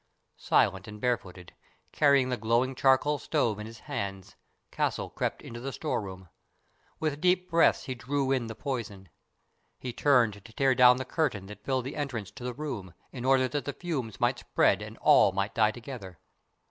Silent and barefooted, carrying the glowing charcoal stove in his hands, Castle crept into the store room. With deep breaths he drew in the poison. He turned to tear down the curtain that filled the entrance to the room, in order that the fumes might spread and all might die together.